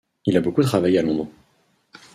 Il a beaucoup travaillé à Londres.